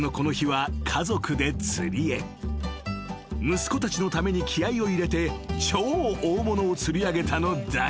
［息子たちのために気合を入れて超大物を釣り上げたのだが］